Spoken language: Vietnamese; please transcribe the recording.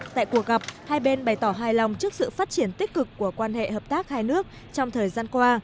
tại cuộc gặp hai bên bày tỏ hài lòng trước sự phát triển tích cực của quan hệ hợp tác hai nước trong thời gian qua